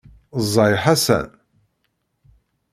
Ẓẓay Ḥasan.